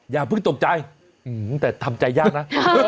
อย่าเพิ่งตกใจแต่ทำใจยากนะ